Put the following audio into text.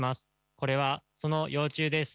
これはその幼虫です。